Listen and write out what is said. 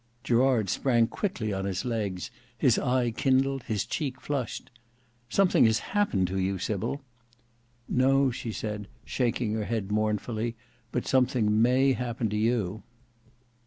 Gerard sprang quickly on his legs, his eye kindled, his cheek flushed. "Something has happened to you, Sybil!" "No," she said, shaking her head mournfully, "not that; but something may happen to you."